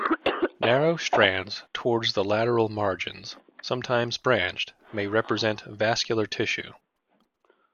Narrow strands towards the lateral margins, sometimes branched, may represent vascular tissue.